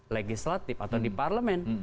legislatif atau di parlemen